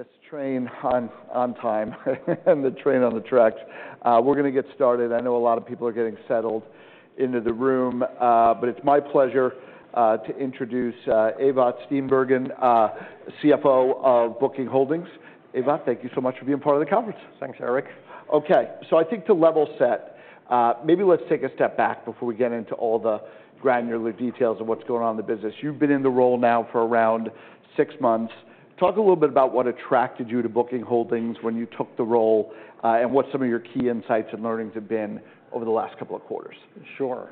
This train on time and the train on the tracks. We're gonna get started. I know a lot of people are getting settled into the room, but it's my pleasure to introduce Ewout Steenbergen, CFO of Booking Holdings. Ewout, thank you so much for being part of the conference. Thanks, Eric. Okay, so I think to level set, maybe let's take a step back before we get into all the granular details of what's going on in the business. You've been in the role now for around six months. Talk a little bit about what attracted you to Booking Holdings when you took the role, and what some of your key insights and learnings have been over the last couple of quarters. Sure,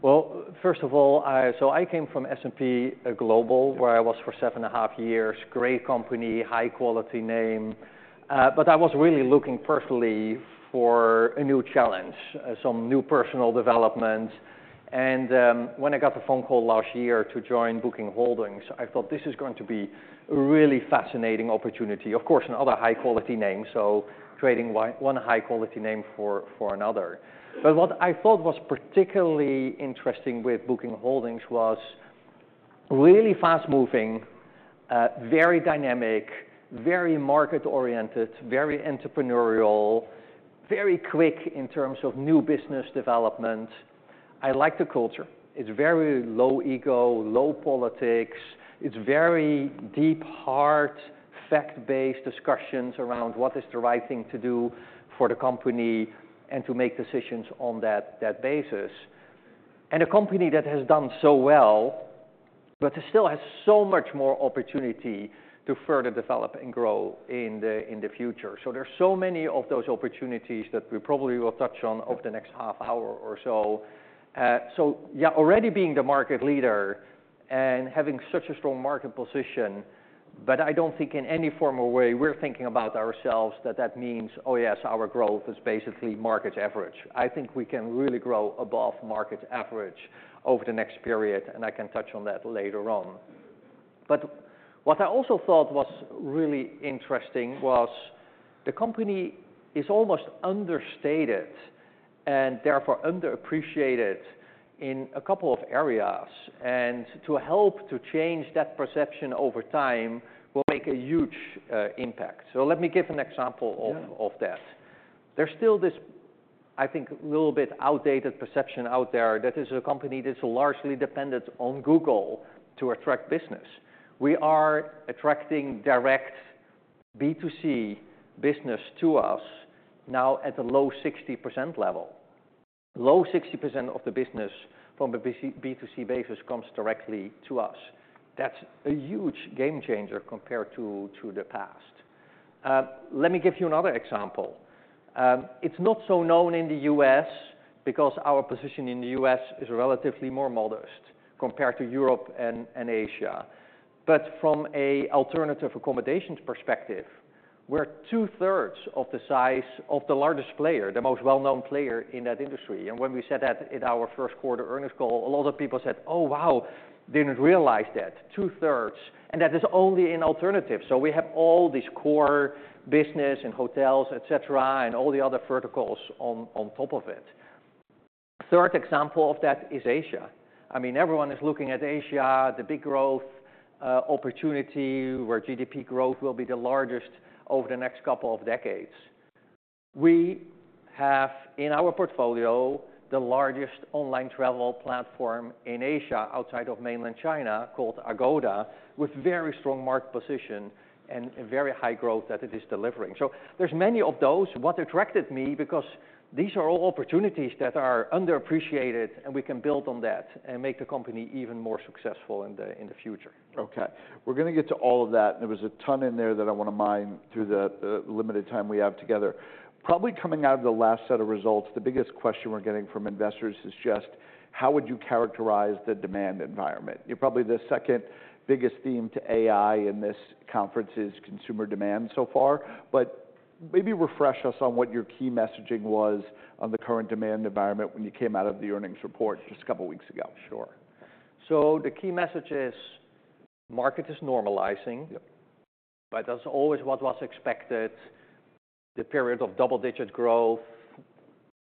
well, first of all, so I came from S&P Global, where I was for seven and a half years. Great company, high quality name, but I was really looking personally for a new challenge, some new personal development, and when I got the phone call last year to join Booking Holdings, I thought, "This is going to be a really fascinating opportunity." Of course, another high quality name, so trading one high quality name for another, but what I thought was particularly interesting with Booking Holdings was really fast-moving, very dynamic, very market-oriented, very entrepreneurial, very quick in terms of new business development. I like the culture. It's very low ego, low politics. It's very deep, hard, fact-based discussions around what is the right thing to do for the company and to make decisions on that basis. And a company that has done so well, but it still has so much more opportunity to further develop and grow in the, in the future. So there are so many of those opportunities that we probably will touch on over the next half hour or so. So yeah, already being the market leader and having such a strong market position, but I don't think in any formal way we're thinking about ourselves that that means: Oh, yes, our growth is basically market average. I think we can really grow above market average over the next period, and I can touch on that later on. But what I also thought was really interesting was the company is almost understated, and therefore underappreciated in a couple of areas, and to help to change that perception over time will make a huge impact. So, let me give an example of- Yeah... of that. There's still this, I think, a little bit outdated perception out there that is a company that's largely dependent on Google to attract business. We are attracting direct B2C business to us now at a low 60% level. Low 60% of the business from a B2C basis comes directly to us. That's a huge game changer compared to the past. Let me give you another example. It's not so known in the US because our position in the US is relatively more modest compared to Europe and Asia. But from a alternative accommodations perspective, we're two-thirds of the size of the largest player, the most well-known player in that industry. And when we said that in our Q1 earnings call, a lot of people said: "Oh, wow! Didn't realize that." Two-thirds, and that is only in alternative. So we have all this core business and hotels, et cetera, and all the other verticals on top of it. Third example of that is Asia. I mean, everyone is looking at Asia, the big growth opportunity, where GDP growth will be the largest over the next couple of decades. We have, in our portfolio, the largest online travel platform in Asia, outside of mainland China, called Agoda, with very strong market position and a very high growth that it is delivering. So there's many of those, what attracted me, because these are all opportunities that are underappreciated, and we can build on that and make the company even more successful in the future. Okay, we're gonna get to all of that. There was a ton in there that I wanna mine through the limited time we have together. Probably coming out of the last set of results, the biggest question we're getting from investors is just: How would you characterize the demand environment? You're probably the second biggest theme to AI in this conference is consumer demand so far. But maybe refresh us on what your key messaging was on the current demand environment when you came out of the earnings report just a couple weeks ago. Sure. So the key message is, the market is normalizing. Yep. But that's always what was expected. The period of double-digit growth,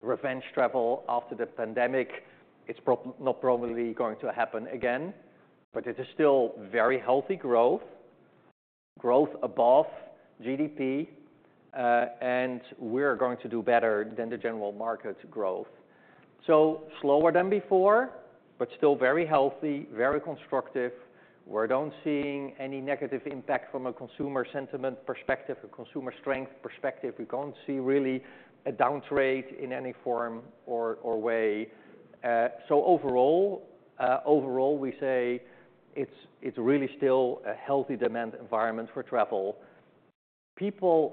revenge travel after the pandemic, it's probably not going to happen again, but it is still very healthy growth, growth above GDP, and we're going to do better than the general market growth. So slower than before, but still very healthy, very constructive. We're not seeing any negative impact from a consumer sentiment perspective, a consumer strength perspective. We don't see really a down trade in any form or way. So overall, we say it's really still a healthy demand environment for travel. People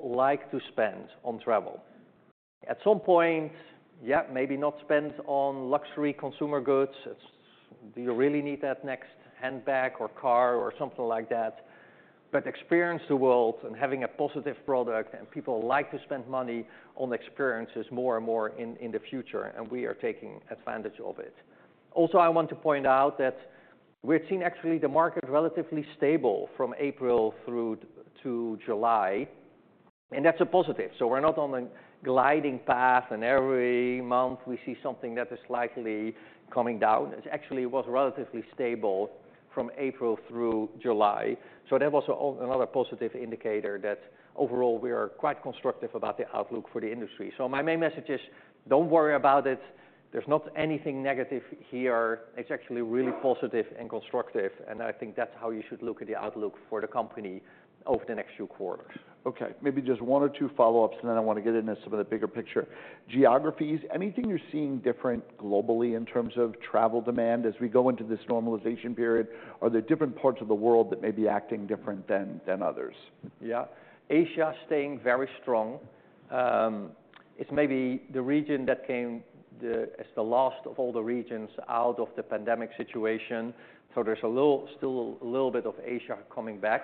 like to spend on travel. At some point, yeah, maybe not spend on luxury consumer goods. It's... Do you really need that next handbag or car or something like that? But experience the world and having a positive product, and people like to spend money on experiences more and more in the future, and we are taking advantage of it. Also, I want to point out that we're seeing actually the market relatively stable from April through to July... and that's a positive. So we're not on a gliding path, and every month, we see something that is slightly coming down. It actually was relatively stable from April through July. So that was another positive indicator that overall, we are quite constructive about the outlook for the industry. So my main message is, don't worry about it. There's not anything negative here. It's actually really positive and constructive, and I think that's how you should look at the outlook for the company over the next few quarters. Okay, maybe just one or two follow-ups, and then I want to get into some of the bigger picture. Geographies, anything you're seeing different globally in terms of travel demand as we go into this normalization period? Are there different parts of the world that may be acting different than others? Yeah. Asia is staying very strong. It's maybe the region that came out as the last of all the regions out of the pandemic situation. So there's still a little bit of Asia coming back.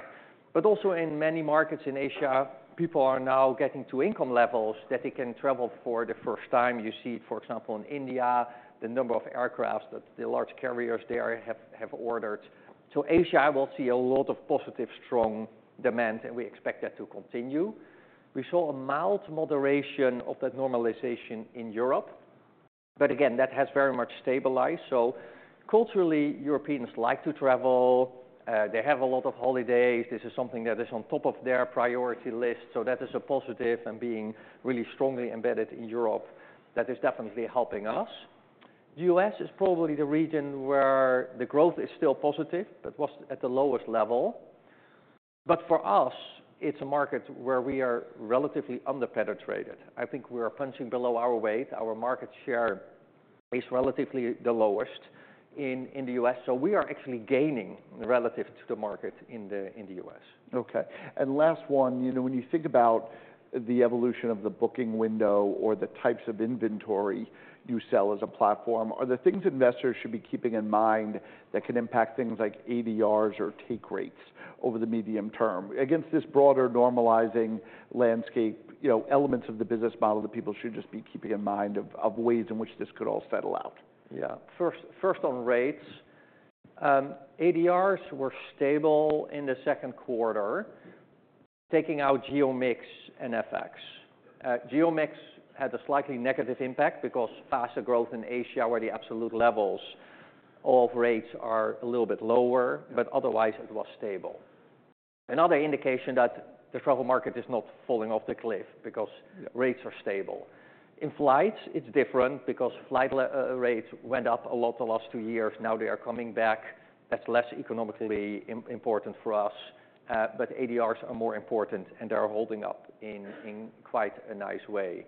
But also in many markets in Asia, people are now getting to income levels that they can travel for the first time. You see, for example, in India, the number of aircraft that the large carriers there have ordered. So Asia will see a lot of positive, strong demand, and we expect that to continue. We saw a mild moderation of that normalization in Europe, but again, that has very much stabilized. So culturally, Europeans like to travel. They have a lot of holidays. This is something that is on top of their priority list, so that is a positive and being really strongly embedded in Europe. That is definitely helping us. U.S. is probably the region where the growth is still positive, but was at the lowest level. But for us, it's a market where we are relatively under-penetrated. I think we are punching below our weight. Our market share is relatively the lowest in the U.S., so we are actually gaining relative to the market in the U.S. Okay. And last one. You know, when you think about the evolution of the booking window or the types of inventory you sell as a platform, are there things investors should be keeping in mind that can impact things like ADRs or take rates over the medium term? Against this broader normalizing landscape, you know, elements of the business model that people should just be keeping in mind of ways in which this could all settle out. Yeah. First, first on rates. ADRs were stable in the Q2, taking out geo mix and FX. Geo mix had a slightly negative impact because faster growth in Asia, where the absolute levels of rates are a little bit lower, but otherwise, it was stable. Another indication that the travel market is not falling off the cliff, because rates are stable. In flights, it's different because flight rates went up a lot the last two years. Now they are coming back. That's less economically important for us, but ADRs are more important, and they are holding up in quite a nice way.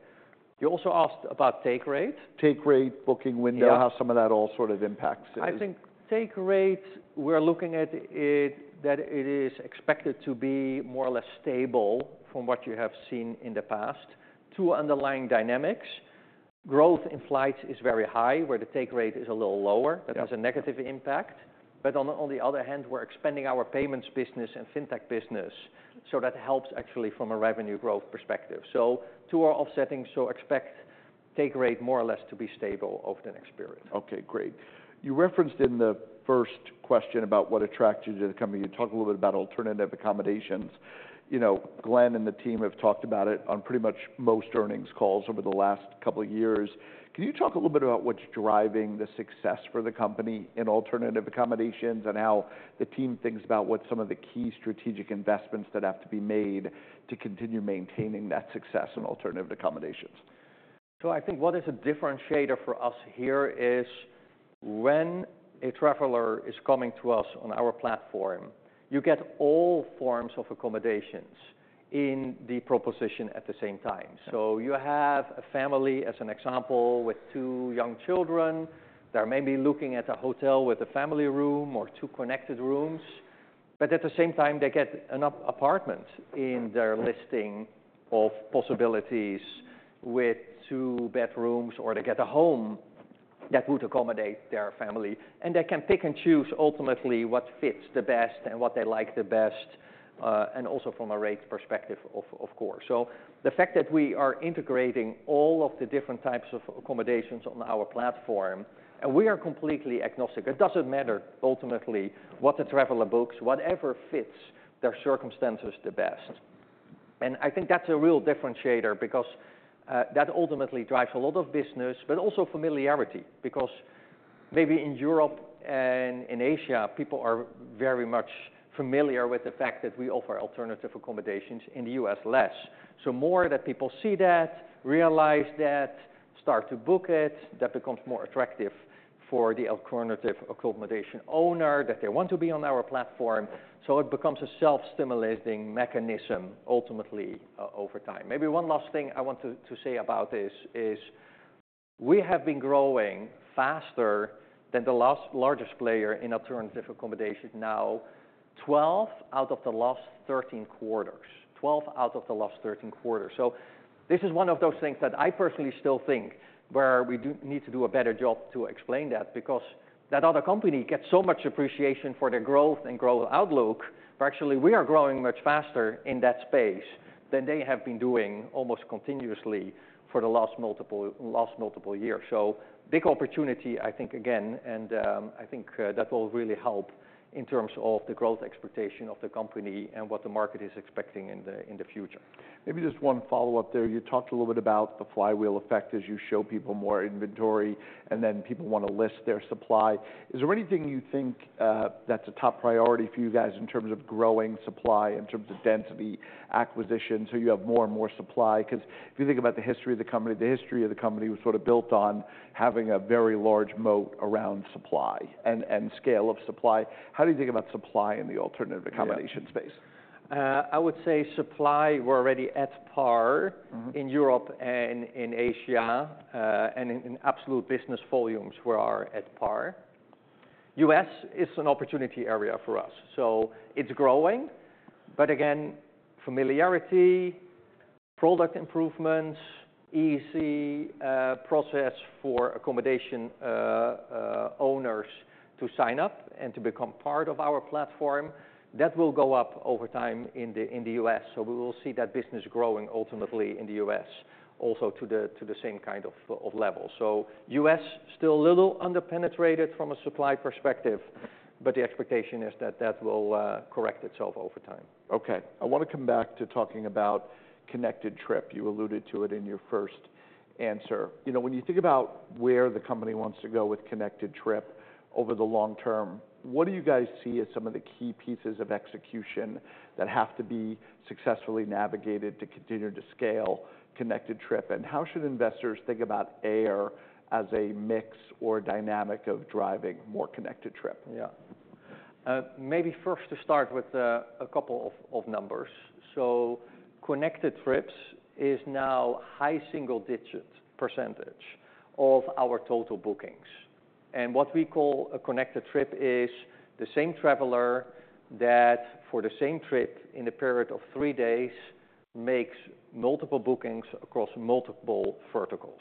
You also asked about take rate. Take rate, booking window- Yeah... how some of that all sort of impacts it. I think take rate, we're looking at it, that it is expected to be more or less stable from what you have seen in the past. Two underlying dynamics: Growth in flights is very high, where the take rate is a little lower. Yeah. That has a negative impact. But on the other hand, we're expanding our payments business and fintech business, so that helps actually from a revenue growth perspective. So two are offsetting, so expect take rate more or less to be stable over the next period. Okay, great. You referenced in the first question about what attracted you to the company. You talked a little bit about alternative accommodations. You know, Glenn and the team have talked about it on pretty much most earnings calls over the last couple of years. Can you talk a little bit about what's driving the success for the company in alternative accommodations and how the team thinks about what some of the key strategic investments that have to be made to continue maintaining that success in alternative accommodations? So I think what is a differentiator for us here is when a traveler is coming to us on our platform, you get all forms of accommodations in the proposition at the same time. So you have a family, as an example, with two young children. They're maybe looking at a hotel with a family room or two connected rooms. But at the same time, they get an apartment in their listing of possibilities with two bedrooms, or they get a home that would accommodate their family, and they can pick and choose ultimately what fits the best and what they like the best, and also from a rate perspective, of course. So the fact that we are integrating all of the different types of accommodations on our platform, and we are completely agnostic. It doesn't matter ultimately, what the traveler books, whatever fits their circumstances the best, and I think that's a real differentiator because that ultimately drives a lot of business, but also familiarity, because maybe in Europe and in Asia, people are very much familiar with the fact that we offer alternative accommodations. In the US, less, so more that people see that, realize that, start to book it, that becomes more attractive for the alternative accommodation owner, that they want to be on our platform, so it becomes a self-stimulating mechanism, ultimately, over time. Maybe one last thing I want to say about this is, we have been growing faster than the last largest player in alternative accommodation now, 12 out of the last 13 quarters. 12 out of the last 13 quarters. So this is one of those things that I personally still think where we need to do a better job to explain that, because that other company gets so much appreciation for their growth and growth outlook, but actually we are growing much faster in that space than they have been doing almost continuously for the last multiple years. So big opportunity, I think, again, and I think that will really help in terms of the growth expectation of the company and what the market is expecting in the future. Maybe just one follow-up there. You talked a little bit about the flywheel effect as you show people more inventory, and then people want to list their supply. Is there anything you think that's a top priority for you guys in terms of growing supply, in terms of density, acquisition, so you have more and more supply? Because if you think about the history of the company, it was sort of built on having a very large moat around supply and scale of supply. How do you think about supply in the alternative accommodation- Yeah -space? I would say supply, we're already at par- Mm-hmm... in Europe and in Asia, and in absolute business volumes, we are at par. U.S. is an opportunity area for us. So it's growing, but again, familiarity, product improvements, easy process for accommodation owners to sign up and to become part of our platform, that will go up over time in the U.S. So we will see that business growing ultimately in the U.S., also to the same kind of level. So U.S., still a little under-penetrated from a supply perspective, but the expectation is that that will correct itself over time. Okay, I want to come back to talking about Connected Trip. You alluded to it in your first answer. You know, when you think about where the company wants to go with Connected Trip over the long term, what do you guys see as some of the key pieces of execution that have to be successfully navigated to continue to scale Connected Trip? And how should investors think about air as a mix or dynamic of driving more Connected Trip? Yeah. Maybe first to start with a couple of numbers. So Connected Trips is now high single-digit % of our total bookings. And what we call a Connected Trip is the same traveler that, for the same trip in a period of three days, makes multiple bookings across multiple verticals.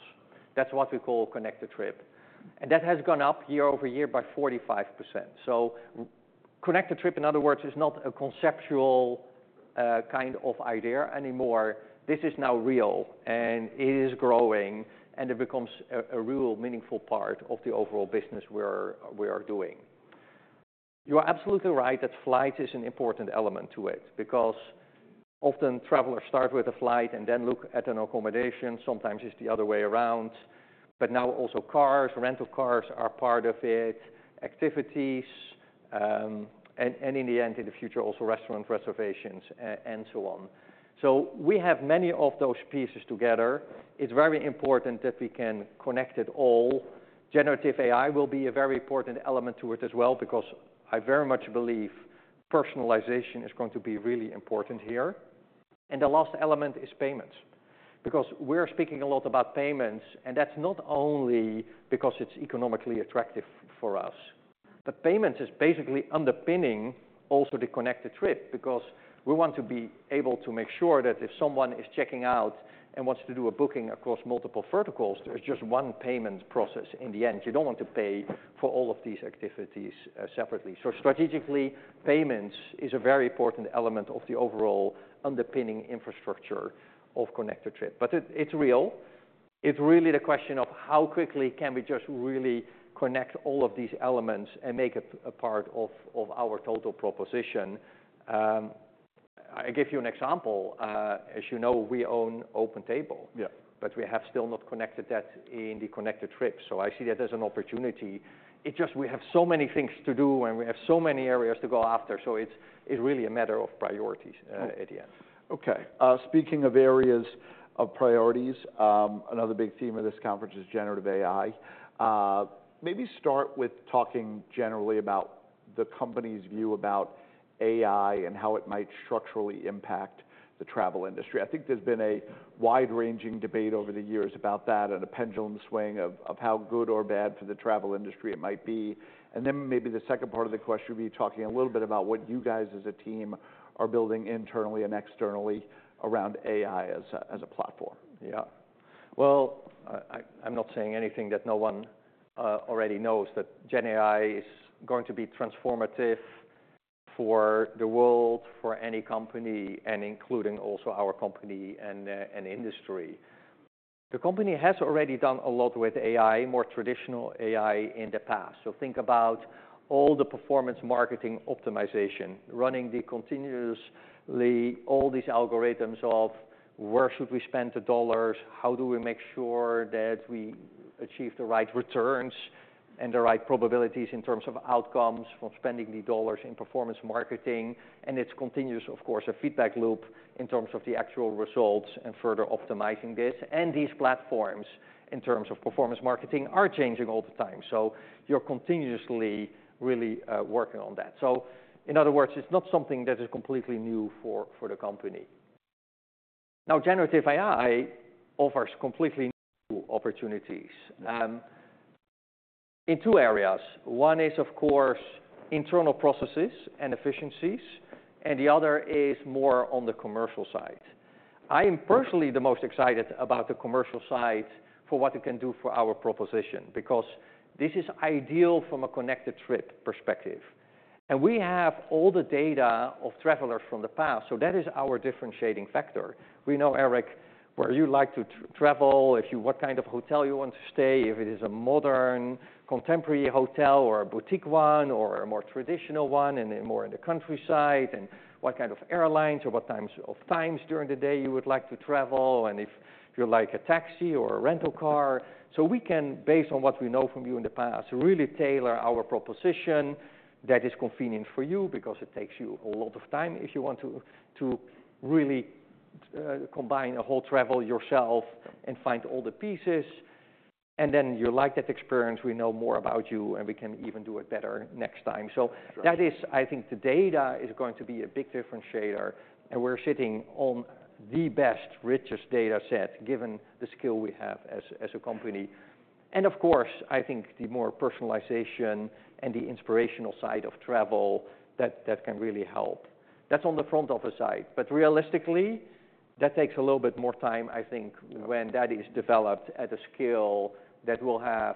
That's what we call a Connected Trip. And that has gone up year over year by 45%. So Connected Trip, in other words, is not a conceptual kind of idea anymore. This is now real, and it is growing, and it becomes a real meaningful part of the overall business we are doing. You are absolutely right that flight is an important element to it, because often travelers start with a flight and then look at an accommodation. Sometimes it's the other way around, but now also cars, rental cars are part of it, activities, and in the end, in the future, also restaurant reservations, and so on. So we have many of those pieces together. It's very important that we can connect it all. Generative AI will be a very important element to it as well, because I very much believe personalization is going to be really important here. And the last element is payments, because we're speaking a lot about payments, and that's not only because it's economically attractive for us, but payments is basically underpinning also the Connected Trip, because we want to be able to make sure that if someone is checking out and wants to do a booking across multiple verticals, there's just one payment process in the end. You don't want to pay for all of these activities separately. So strategically, payments is a very important element of the overall underpinning infrastructure of Connected Trip. But it's real. It's really the question of how quickly can we just really connect all of these elements and make it a part of our total proposition. I give you an example. As you know, we own OpenTable. Yeah. But we have still not connected that in the Connected Trip, so I see that as an opportunity. It's just we have so many things to do, and we have so many areas to go after, so it's really a matter of priorities at the end. Okay. Speaking of areas of priorities, another big theme of this conference is generative AI. Maybe start with talking generally about the company's view about AI and how it might structurally impact the travel industry. I think there's been a wide-ranging debate over the years about that, and a pendulum swing of how good or bad for the travel industry it might be. Then maybe the second part of the question will be talking a little bit about what you guys as a team are building internally and externally around AI as a platform. Yeah. Well, I’m not saying anything that no one already knows, that GenAI is going to be transformative for the world, for any company, and including also our company and the and industry. The company has already done a lot with AI, more traditional AI, in the past. So think about all the performance marketing optimization, running the continuously all these algorithms of: Where should we spend the dollars? How do we make sure that we achieve the right returns and the right probabilities in terms of outcomes from spending the dollars in performance marketing? And it’s continuous, of course, a feedback loop in terms of the actual results and further optimizing this. And these platforms, in terms of performance marketing, are changing all the time, so you’re continuously really working on that. So in other words, it's not something that is completely new for the company. Now, generative AI offers completely new opportunities in two areas. One is, of course, internal processes and efficiencies, and the other is more on the commercial side. I am personally the most excited about the commercial side for what it can do for our proposition, because this is ideal from a connected trip perspective.... And we have all the data of travelers from the past, so that is our differentiating factor. We know, Eric, where you like to travel, what kind of hotel you want to stay, if it is a modern, contemporary hotel or a boutique one, or a more traditional one, and then more in the countryside, and what kind of airlines or what times during the day you would like to travel, and if you like a taxi or a rental car. So we can, based on what we know from you in the past, really tailor our proposition that is convenient for you because it takes you a lot of time if you want to really combine a whole travel yourself and find all the pieces. And then you like that experience, we know more about you, and we can even do it better next time. So- Sure. I think the data is going to be a big differentiator, and we're sitting on the best, richest data set, given the skill we have as a company. And of course, I think the more personalization and the inspirational side of travel, that can really help. That's on the front office side. But realistically, that takes a little bit more time, I think, when that is developed at a scale that will have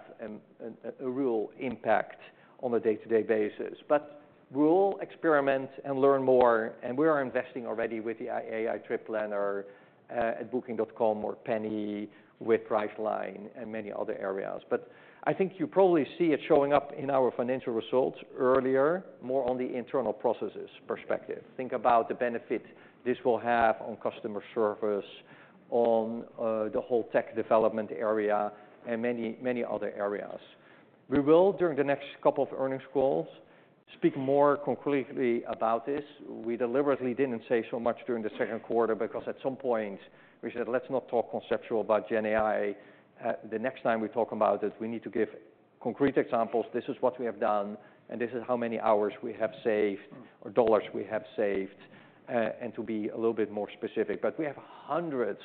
a real impact on a day-to-day basis. But we'll experiment and learn more, and we are investing already with the AI Trip Planner at Booking.com or Penny with Priceline, and many other areas. But I think you probably see it showing up in our financial results earlier, more on the internal processes perspective. Think about the benefit this will have on customer service, on the whole tech development area, and many, many other areas. We will, during the next couple of earnings calls, speak more concretely about this. We deliberately didn't say so much during the Q2, because at some point we said: Let's not talk conceptual about GenAI. The next time we talk about it, we need to give concrete examples. This is what we have done, and this is how many hours we have saved or dollars we have saved, and to be a little bit more specific. But we have hundreds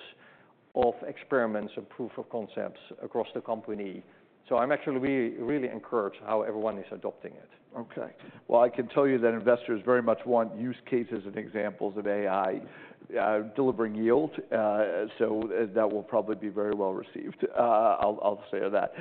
of experiments and proof of concepts across the company, so I'm actually really encouraged how everyone is adopting it. Okay. Well, I can tell you that investors very much want use cases and examples of AI, delivering yield, so that will probably be very well received. I'll say that.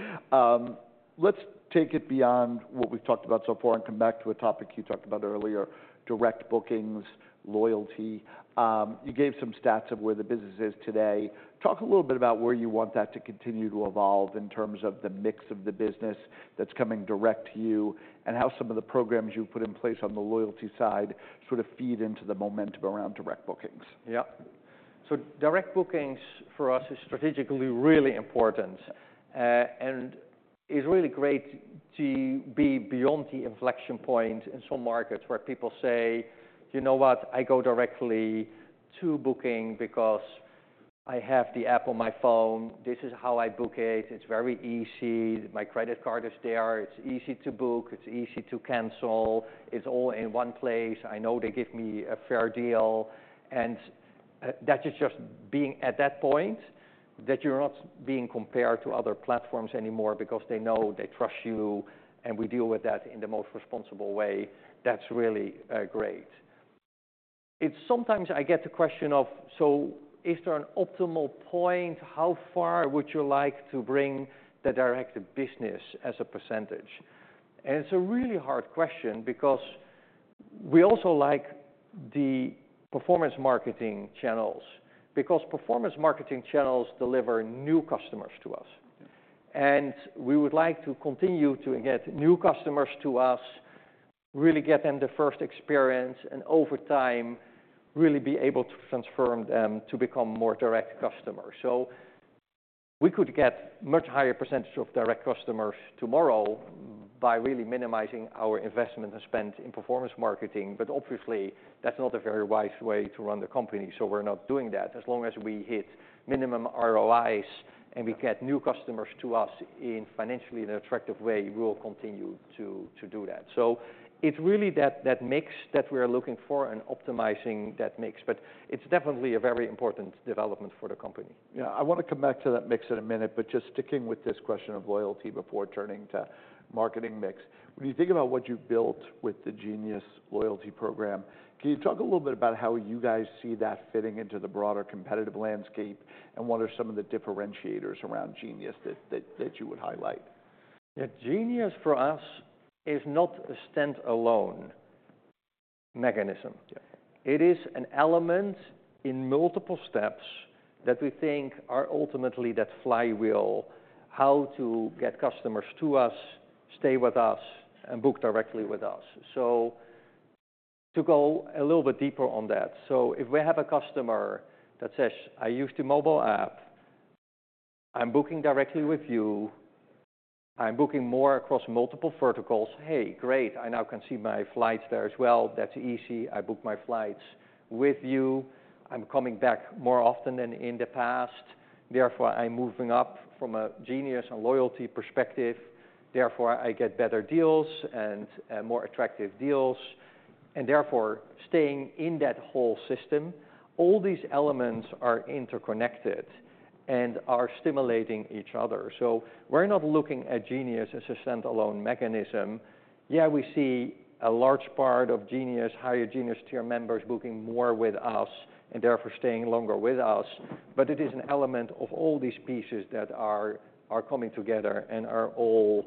Let's take it beyond what we've talked about so far and come back to a topic you talked about earlier: direct bookings, loyalty. You gave some stats of where the business is today. Talk a little bit about where you want that to continue to evolve in terms of the mix of the business that's coming direct to you, and how some of the programs you've put in place on the loyalty side sort of feed into the momentum around direct bookings. Yeah. So direct bookings for us is strategically really important. And it's really great to be beyond the inflection point in some markets where people say: You know what? I go directly to Booking because I have the app on my phone. This is how I book it. It's very easy. My credit card is there. It's easy to book, it's easy to cancel, it's all in one place. I know they give me a fair deal. And that is just being at that point, that you're not being compared to other platforms anymore because they know, they trust you, and we deal with that in the most responsible way. That's really great. It's sometimes I get the question of: So is there an optimal point? How far would you like to bring the direct business as a percentage? It's a really hard question because we also like the performance marketing channels, because performance marketing channels deliver new customers to us. Yes. We would like to continue to get new customers to us, really get them the first experience, and over time, really be able to transform them to become more direct customers. We could get much higher percentage of direct customers tomorrow by really minimizing our investment and spend in performance marketing, but obviously, that's not a very wise way to run the company, so we're not doing that. As long as we hit minimum ROIs and we get new customers to us in financially and attractive way, we will continue to do that. It's really that mix that we're looking for and optimizing that mix, but it's definitely a very important development for the company. Yeah, I want to come back to that mix in a minute, but just sticking with this question of loyalty before turning to marketing mix. When you think about what you've built with the Genius loyalty program, can you talk a little bit about how you guys see that fitting into the broader competitive landscape, and what are some of the differentiators around Genius that you would highlight? Yeah, Genius, for us, is not a standalone mechanism. Yeah. It is an element in multiple steps that we think are ultimately that flywheel, how to get customers to us, stay with us, and book directly with us. So to go a little bit deeper on that: so if we have a customer that says, "I use the mobile app, I'm booking directly with you, I'm booking more across multiple verticals. Hey, great! I now can see my flights there as well. That's easy. I book my flights with you. I'm coming back more often than in the past, therefore, I'm moving up from a Genius and loyalty perspective. Therefore, I get better deals and, more attractive deals, and therefore, staying in that whole system," all these elements are interconnected... and are stimulating each other. So we're not looking at Genius as a standalone mechanism. Yeah, we see a large part of Genius, higher Genius tier members booking more with us, and therefore staying longer with us, but it is an element of all these pieces that are coming together and are all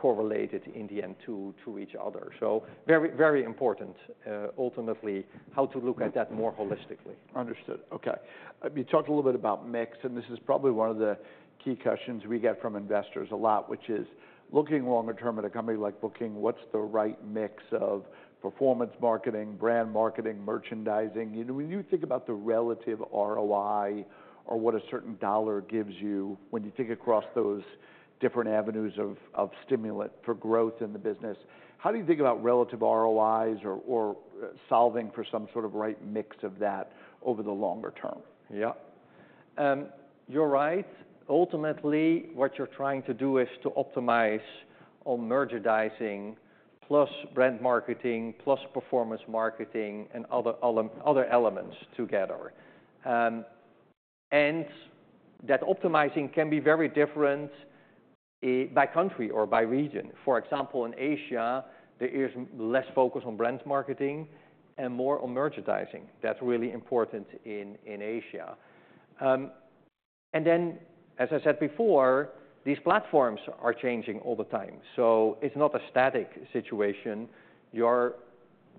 correlated in the end to each other. So very, very important, ultimately, how to look at that more holistically. Understood. Okay. You talked a little bit about mix, and this is probably one of the key questions we get from investors a lot, which is: looking longer term at a company like Booking, what's the right mix of performance marketing, brand marketing, merchandising? You know, when you think about the relative ROI or what a certain dollar gives you, when you think across those different avenues of stimulant for growth in the business, how do you think about relative ROIs or solving for some sort of right mix of that over the longer term? Yeah. You're right. Ultimately, what you're trying to do is to optimize on merchandising, plus brand marketing, plus performance marketing, and other elements together. And that optimizing can be very different by country or by region. For example, in Asia, there is less focus on brand marketing and more on merchandising. That's really important in Asia. And then, as I said before, these platforms are changing all the time, so it's not a static situation. You're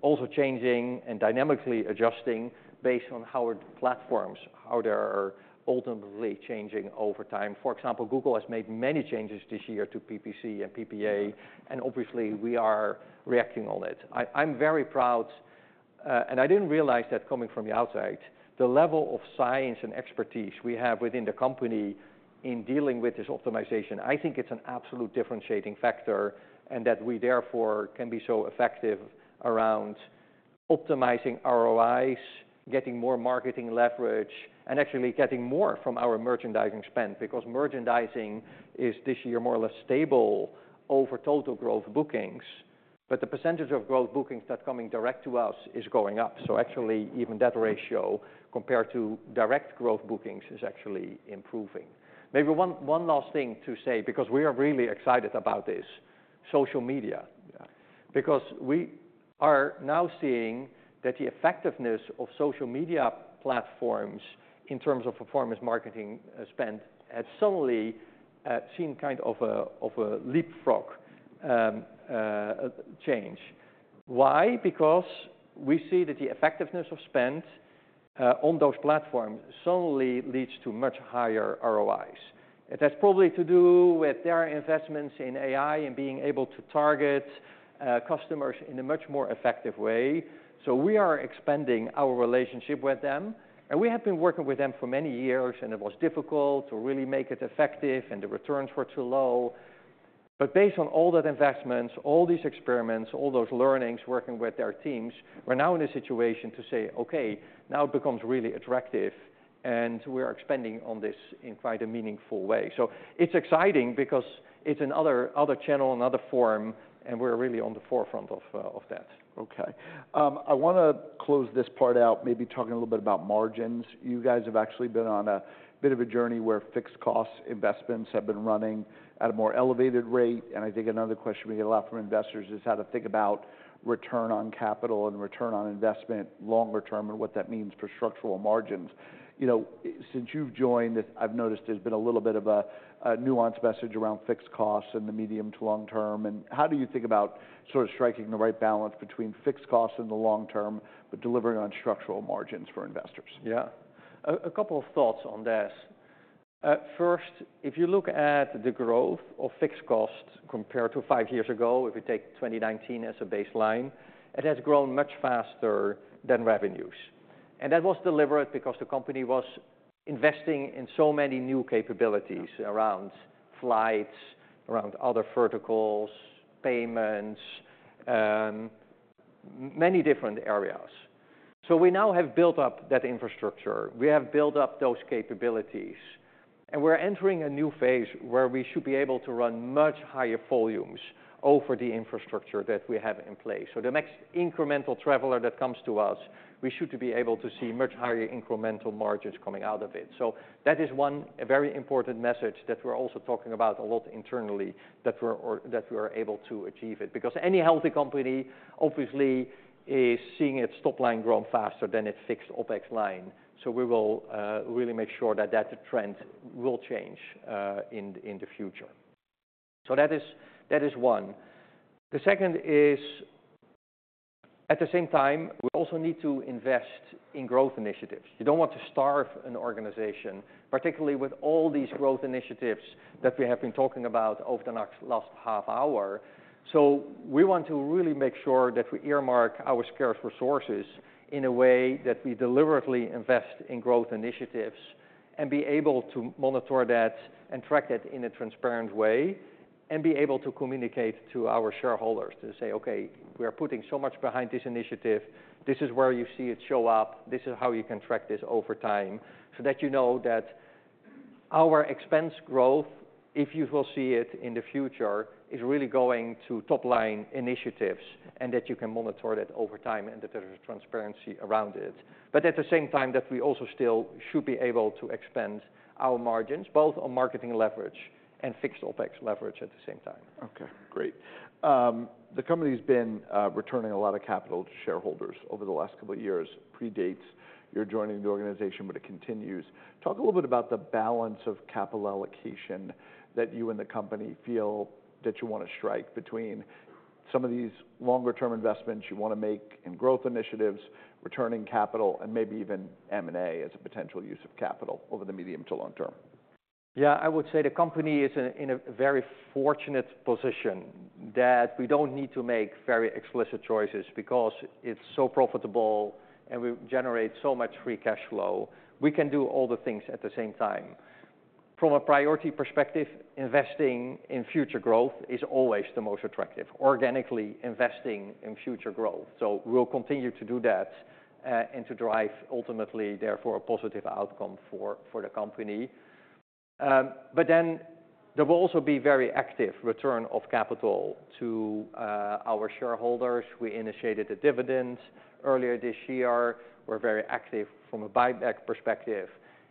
also changing and dynamically adjusting based on how our platforms, how they are ultimately changing over time. For example, Google has made many changes this year to PPC and PPA, and obviously, we are reacting on it. I, I'm very proud, and I didn't realize that coming from the outside, the level of science and expertise we have within the company in dealing with this optimization. I think it's an absolute differentiating factor, and that we therefore can be so effective around optimizing ROIs, getting more marketing leverage, and actually getting more from our merchandising spend, because merchandising is, this year, more or less stable over total growth bookings, but the percentage of growth bookings that's coming direct to us is going up, so actually, even that ratio compared to direct growth bookings is actually improving. Maybe one last thing to say, because we are really excited about this: social media, because we are now seeing that the effectiveness of social media platforms in terms of performance marketing spend have suddenly seen kind of a leapfrog change. Why? Because we see that the effectiveness of spend on those platforms suddenly leads to much higher ROIs. That's probably to do with their investments in AI and being able to target customers in a much more effective way. So we are expanding our relationship with them, and we have been working with them for many years, and it was difficult to really make it effective, and the returns were too low. But based on all that investments, all these experiments, all those learnings, working with their teams, we're now in a situation to say, "Okay, now it becomes really attractive," and we are expanding on this in quite a meaningful way. So it's exciting because it's another, other channel, another forum, and we're really on the forefront of that. Okay. I wanna close this part out, maybe talking a little bit about margins. You guys have actually been on a bit of a journey where fixed cost investments have been running at a more elevated rate, and I think another question we get a lot from investors is how to think about return on capital and return on investment longer term, and what that means for structural margins. You know, since you've joined, I've noticed there's been a little bit of a nuanced message around fixed costs in the medium to long term, and how do you think about sort of striking the right balance between fixed costs in the long term, but delivering on structural margins for investors? Yeah. A couple of thoughts on this. First, if you look at the growth of fixed costs compared to five years ago, if you take twenty nineteen as a baseline, it has grown much faster than revenues, and that was deliberate because the company was investing in so many new capabilities around flights, around other verticals, payments, many different areas. So we now have built up that infrastructure. We have built up those capabilities, and we're entering a new phase where we should be able to run much higher volumes over the infrastructure that we have in place. The next incremental traveler that comes to us, we should be able to see much higher incremental margins coming out of it. That is one, a very important message that we're also talking about a lot internally, that we are able to achieve it. Because any healthy company, obviously, is seeing its top line grow faster than its fixed OpEx line. So we will really make sure that that trend will change in the future. So that is one. The second is, at the same time, we also need to invest in growth initiatives. You don't want to starve an organization, particularly with all these growth initiatives that we have been talking about over the last half hour. So we want to really make sure that we earmark our scarce resources in a way that we deliberately invest in growth initiatives, and be able to monitor that and track it in a transparent way, and be able to communicate to our shareholders to say, "Okay, we are putting so much behind this initiative. This is where you see it show up. This is how you can track this over time," so that you know that our expense growth, if you will see it in the future, is really going to top line initiatives, and that you can monitor that over time, and that there is transparency around it. But at the same time, that we also still should be able to expand our margins, both on marketing leverage and fixed OpEx leverage at the same time. Okay, great. The company's been returning a lot of capital to shareholders over the last couple of years. Predates your joining the organization, but it continues. Talk a little bit about the balance of capital allocation that you and the company feel that you wanna strike between some of these longer term investments you wanna make in growth initiatives, returning capital, and maybe even M&A as a potential use of capital over the medium to long term. Yeah, I would say the company is in a very fortunate position that we don't need to make very explicit choices, because it's so profitable and we generate so much free cash flow. We can do all the things at the same time. From a priority perspective, investing in future growth is always the most attractive. Organically investing in future growth, so we'll continue to do that and to drive ultimately, therefore, a positive outcome for the company, but then there will also be very active return of capital to our shareholders. We initiated a dividend earlier this year. We're very active from a buyback perspective,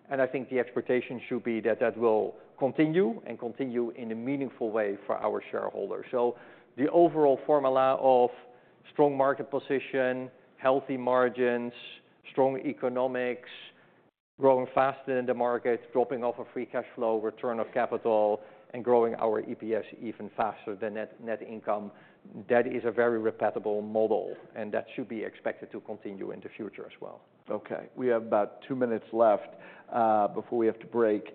and I think the expectation should be that that will continue, and continue in a meaningful way for our shareholders. So the overall formula of strong market position, healthy margins, strong economics, growing faster than the market, dropping off of free cash flow, return of capital, and growing our EPS even faster than net, net income, that is a very repeatable model, and that should be expected to continue in the future as well. Okay, we have about two minutes left, before we have to break.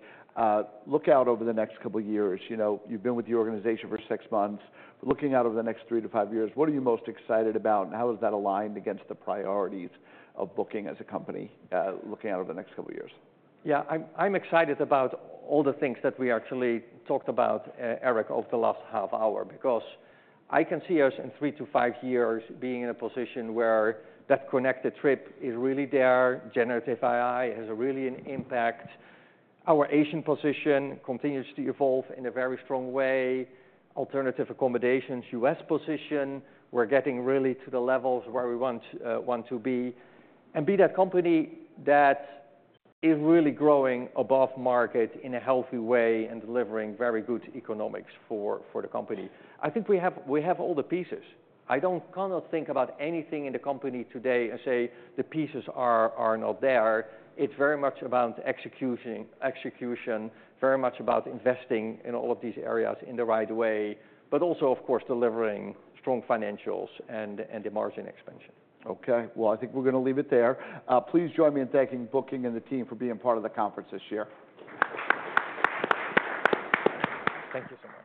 Look out over the next couple of years. You know, you've been with the organization for six months. Looking out over the next three to five years, what are you most excited about, and how is that aligned against the priorities of Booking as a company, looking out over the next couple of years? Yeah, I'm excited about all the things that we actually talked about, Eric, over the last half hour, because I can see us in three to five years being in a position where that connected trip is really there, generative AI has a really an impact. Our Asian position continues to evolve in a very strong way. Alternative accommodations, US position, we're getting really to the levels where we want to be, and be that company that is really growing above market in a healthy way and delivering very good economics for the company. I think we have all the pieces. I don't kind of think about anything in the company today and say, "The pieces are not there." It's very much about executing, very much about investing in all of these areas in the right way, but also, of course, delivering strong financials and the margin expansion. Okay. I think we're gonna leave it there. Please join me in thanking Booking and the team for being part of the conference this year. Thank you so much.